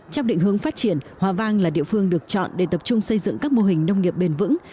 trong định hướng phát triển hòa vang là địa phương được chọn để tập trung xây dựng các mô hình nông nghiệp bền vững